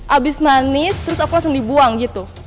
abis manis terus aku langsung dibuang gitu